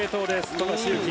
富樫勇樹。